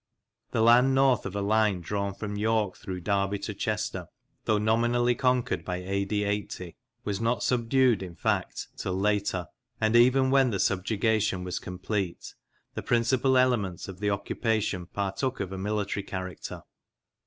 The land north of a line drawn from York through Derby to Chester, though nominally conquered by A.D. 80, was not subdued, in fact, till later; and even when the subjugation was complete, the principal elements of the occupation partook of a military character.